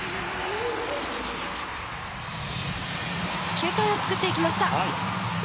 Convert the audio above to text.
球体を作っていきました。